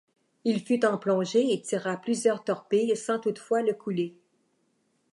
Il fut en plongée et tira plusieurs torpilles sans toutefois le couler.